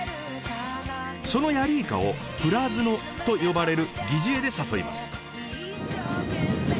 そのヤリイカを「プラヅノ」と呼ばれる疑似餌で誘います。